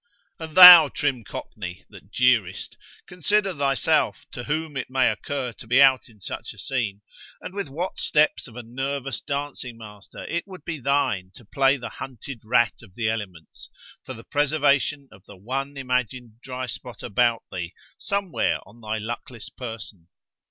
And thou, trim cockney, that jeerest, consider thyself, to whom it may occur to be out in such a scene, and with what steps of a nervous dancing master it would be thine to play the hunted rat of the elements, for the preservation of the one imagined dryspot about thee, somewhere on thy luckless person!